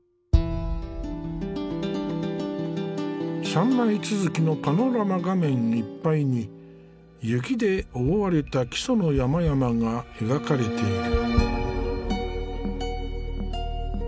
３枚続きのパノラマ画面いっぱいに雪で覆われた木曽の山々が描かれている。